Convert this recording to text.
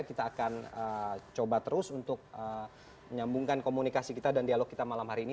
kita akan coba terus untuk menyambungkan komunikasi kita dan dialog kita malam hari ini